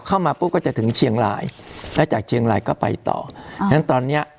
เข้ามาปุ๊บก็จะถึงเชียงรายแล้วจากเชียงรายก็ไปต่ออ่างั้นตอนเนี้ย